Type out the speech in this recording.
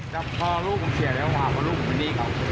ครับพอลูกเขาเกลียดแล้วเขาหาพ่อลูกเขาไปดีเขา